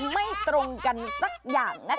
ไม่ตรงกันสักอย่างนะคะ